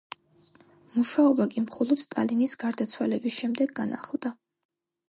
მუშაობა კი მხოლოდ სტალინის გარდაცვალების შემდეგ განახლდა.